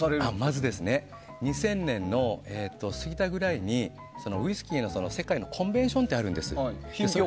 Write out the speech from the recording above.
まず２０００年過ぎたぐらいに世界のウイスキーのコンベンションってあるんです。